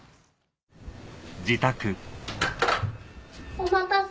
お待たせ。